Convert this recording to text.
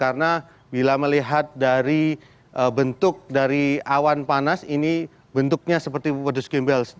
karena jika kita lihat dari bentuk dari awan panas ini bentuknya seperti wadus gembel